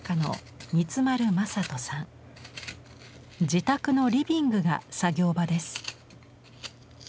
自宅のリビングが作業場です。